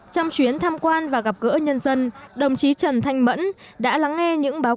trong chuyến thăm quan và gặp gỡ nhân dân đồng chí trần thanh mẫn đã lắng nghe những bài hỏi